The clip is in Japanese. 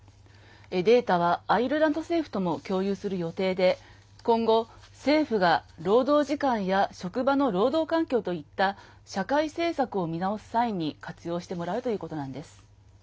データはアイルランド政府とも共有する予定で今後、政府が労働時間や職場の労働環境といった社会政策を見直す際に活用してもらうということなんです。